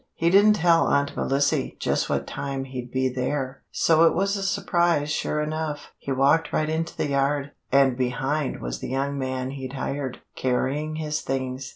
"He didn't tell Aunt Melissy just what time he'd be there, so it was a surprise sure enough. He walked right into the yard, and behind was the young man he'd hired, carrying his things.